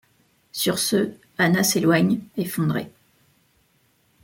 Sur ce, Anna s'éloigne, effondrée.